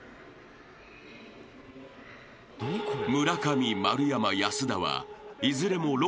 ［村上丸山安田はいずれも］